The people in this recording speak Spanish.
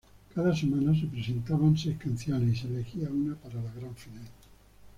Cada semana se presentaban seis canciones y se elegía una para la gran final.